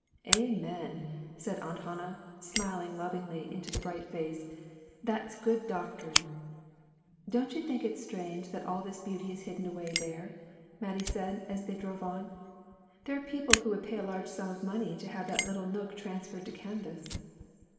"Amen!" said Aunt Hannah, smiling lovingly into the bright face; "that is good doctrine." "Don't you think it's strange that all this beauty is hidden away there?" Mattie said, as they drove on. "There are people who would pay a large sum of money to have that little nook transferred to canvas."